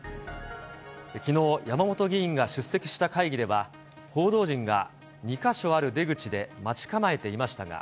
きのう、山本議員が出席した会議では、報道陣が２か所ある出口で待ち構えていましたが。